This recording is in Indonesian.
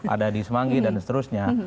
ada di semanggi dan seterusnya